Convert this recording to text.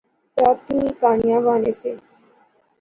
راتیں کہانیاں بانے سے